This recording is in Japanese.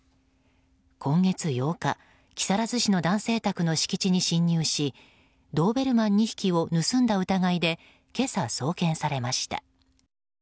今月８日、木更津市の男性宅の敷地に侵入しドーベルマン２匹を盗んだ疑いで今朝、送検されました。